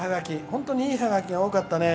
本当にいいハガキが多かったね。